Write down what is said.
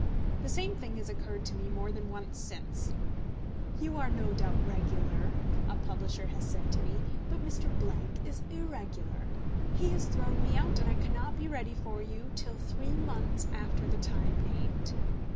The same thing has occurred to me more than once since. "You no doubt are regular," a publisher has said to me, "but Mr. is irregular. He has thrown me out, and I cannot be ready for you till three months after the time named."